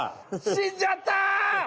しんじゃった！